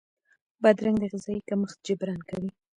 بادرنګ د غذايي کمښت جبران کوي.